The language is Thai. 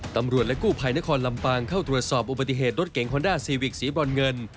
ตำรวจและกู้ภัยนครลำปางเข้าตรวจสอบอุบัติเหตุรถเก๋งฮอนด้าซีวิกสีบรอนเงิน